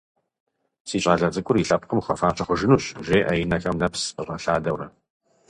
Си щӏалэ цӏыкӏур и лъэпкъым хуэфащэ хъужынущ, – жеӏэ, и нэхэм нэпс къыщӏэлъадэурэ.